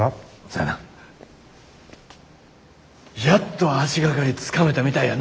やっと足掛かりつかめたみたいやな。